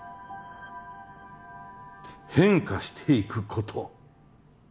変化していくこと